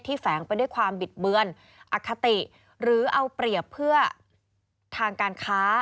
แฝงไปด้วยความบิดเบือนอคติหรือเอาเปรียบเพื่อทางการค้า